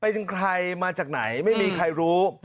เป็นใครมาจากไหนไม่มีใครรู้